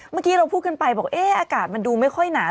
เมื่อกี้เราพูดกันไปบอกเอ๊ะอากาศมันดูไม่ค่อยหนา